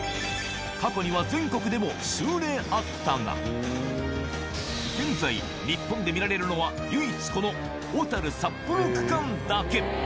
過去には全国でも数例あったが、現在、日本で見られるのは唯一、この小樽・札幌区間だけ。